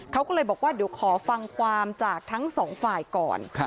เขาก็เลยบอกว่าเดี๋ยวขอฟังความจากทั้งสองฝ่ายก่อน